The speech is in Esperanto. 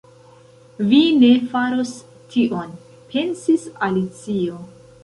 “Vi ne faros tion” pensis Alicio.